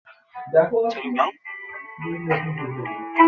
Miss করবেন না।